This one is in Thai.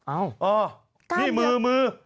อ้าวนี่มือมือ